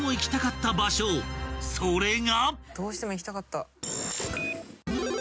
［それが］